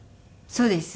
そうです。